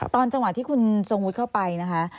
ตอนจังหวะที่คุณจงวุฒิเข้าไป